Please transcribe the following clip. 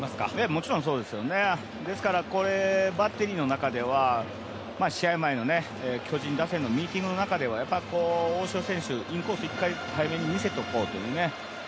もちろんそうですよね、ですからこれ、バッテリーの中では試合前の巨人打線のミーティングの中では大城選手、インコース、１回、早めに見せておこうっていうね